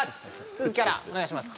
続きからお願いします